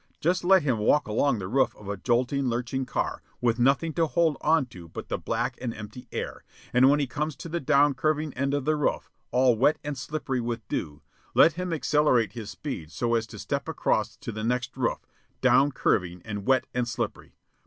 Just let him walk along the roof of a jolting, lurching car, with nothing to hold on to but the black and empty air, and when he comes to the down curving end of the roof, all wet and slippery with dew, let him accelerate his speed so as to step across to the next roof, down curving and wet and slippery.